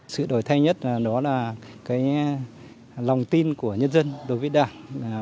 sự đổi thay nhất đó là lòng tin của nhân dân đối với đảng